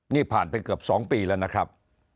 นี่ผ่านไปเกือบ๒ปีแล้วนะครับ